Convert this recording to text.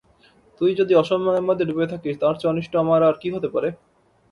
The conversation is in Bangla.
তুই যদি অসম্মানের মধ্যে ডুবে থাকিস তার চেয়ে অনিষ্ট আমার আর কি হতে পারে?